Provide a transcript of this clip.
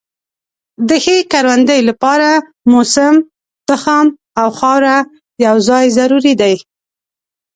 د ښې کروندې لپاره موسم، تخم او خاوره یو ځای ضروري دي.